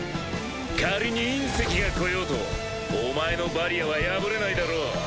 仮に隕石が来ようとお前のバリアは破れないだろう。